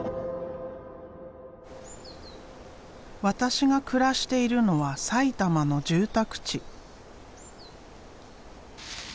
私が暮らしているのは埼玉の住宅地。